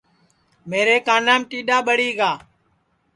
میرے کانام ٹیڈؔا ٻڑی گا